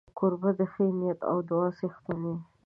کوربه د ښې نیت او دعا څښتن وي.